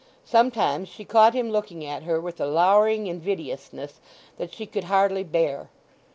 Sometimes she caught him looking at her with a louring invidiousness that she could hardly bear.